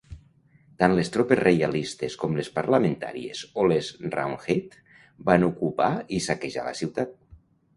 Tant les tropes reialistes com les parlamentàries o les Roundhead van ocupar i saquejar la ciutat.